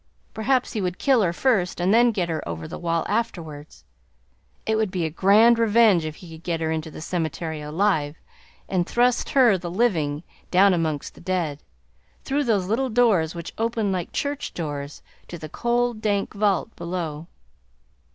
Perhaps he would kill her first and then get her over the wall afterwards. It would be a grand revenge if he could get her into the cemetery alive and thrust her, the living, down amongst the dead, through those little doors which opened like church doors to the cold, dank vault below.